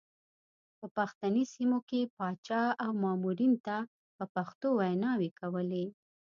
په پښتني سیمو کې پاچا او مامورینو ته په پښتو ویناوې کولې.